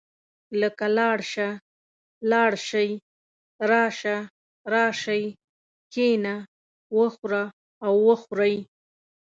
لکه لاړ شه، لاړ شئ، راشه، راشئ، کښېنه، وخوره او وخورئ.